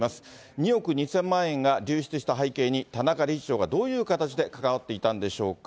２億２０００万円が流出した背景に、田中理事長がどういう形で関わっていたんでしょうか。